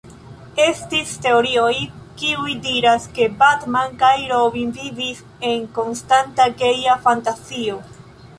Estis teorioj kiuj diras ke Batman kaj Robin vivis en konstanta geja fantazio.